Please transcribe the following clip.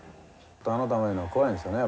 あの球いうのは怖いんですよね